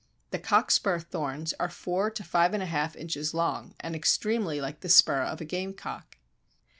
The Cockspur thorns are 4 to 5 1/2 inches long, and extremely like the spur of a gamecock.